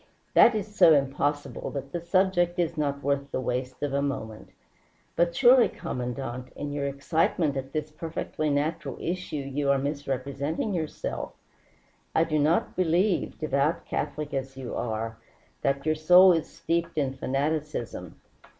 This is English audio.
"That is so impossible that the subject is not worth the waste of a moment. But surely, Commandante, in your excitement at this perfectly natural issue you are misrepresenting yourself. I do not believe, devout Catholic as you are, that your soul is steeped in fanaticism.